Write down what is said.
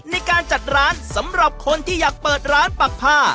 ในการจัดร้านสำหรับคนที่อยากเปิดร้านปักผ้า